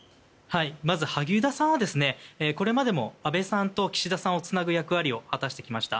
まず萩生田さんはこれまでも安倍さんと岸田さんをつなぐ役割を果たしてきました。